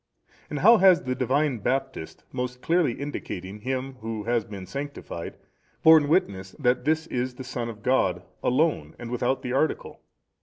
And how has the divine Baptist, most clearly indicating Him Who has been sanctified, borne witness |286 that This is the Son of God, alone and with the article?